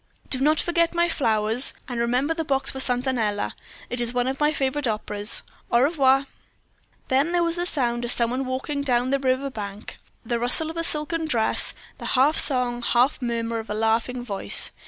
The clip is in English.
"Do not forget my flowers; and remember the box for 'Satanella.' It is one of my favorite operas. Au revoir." Then there was a sound of some one walking down the river bank, the rustle of a silken dress, the half song, half murmur of a laughing voice.